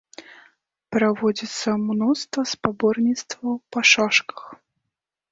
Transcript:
Праводзіцца мноства спаборніцтваў па шашках.